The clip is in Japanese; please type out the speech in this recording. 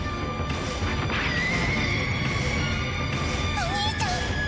お兄ちゃん！